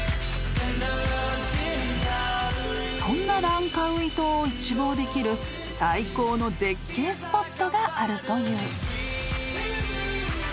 ［そんなランカウイ島を一望できる最高の絶景スポットがあるという］